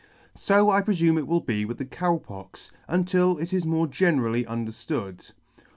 So I prefume it will be with the Cow Pox, until it is more generally underftood.